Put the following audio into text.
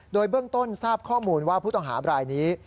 โดยเบื้องต้นทราบข้อมูลว่าผู้ต้องหาบรายนี้